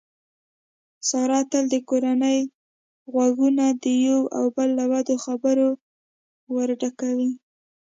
ساره تل د کورنۍ غوږونه د یو او بل له بدو خبرو ورډکوي.